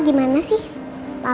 terima kasih pak